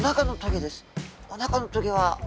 おなかの棘です。